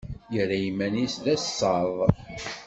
Yerra iman-is d asaḍ.